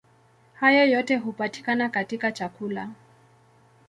Hayo yote hupatikana katika chakula.